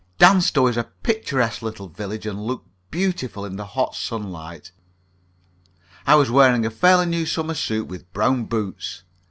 Danstow is a picturesque little village, and looked beautiful in the hot sunlight. I was wearing a fairly new summer suit, with brown boots.